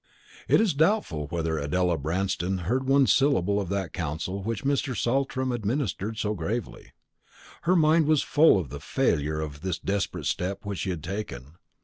It is doubtful whether Adela Branston heard one syllable of that counsel which Mr. Saltram administered so gravely. Her mind was full of the failure of this desperate step which she had taken.